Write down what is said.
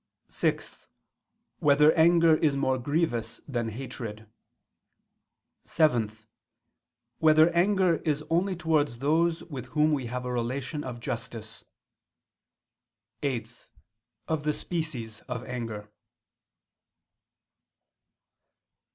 (6) Whether anger is more grievous than hatred? (7) Whether anger is only towards those with whom we have a relation of justice? (8) Of the species of anger.